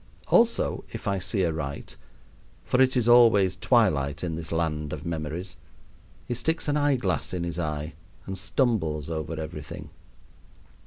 Also, if I see aright for it is always twilight in this land of memories he sticks an eyeglass in his eye and stumbles over everything.